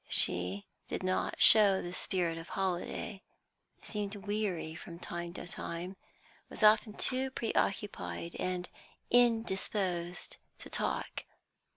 She did not show the spirit of holiday, seemed weary from time to time, was too often preoccupied and indisposed to talk.